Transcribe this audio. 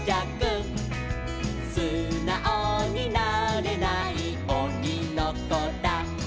「すなおになれないオニのこだ」